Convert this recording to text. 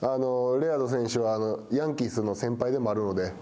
レアード選手は、ヤンキースの先輩でもあるので。